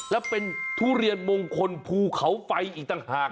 และเป็นทุเรียนมงคลภูเขาไฟอีกต่างหาก